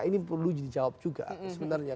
ini perlu dijawab juga sebenarnya